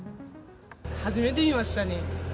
初めて見ましたね。